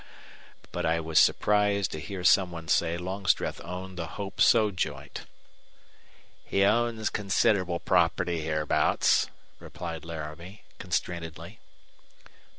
But I was surprised to hear some one say Longstreth owned the Hope So joint." "He owns considerable property hereabouts," replied Laramie, constrainedly.